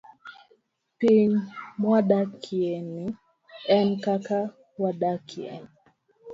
Piny mwadakieni, en kama wadakie.